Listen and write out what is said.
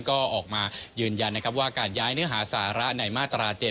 ก็ออกมายืนยันนะครับว่าการย้ายเนื้อหาสาระในมาตรา๗